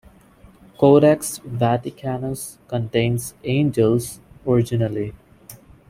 Codex Vaticanus contains "angels" originally.